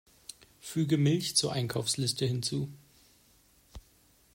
Füge Milch zur Einkaufsliste hinzu!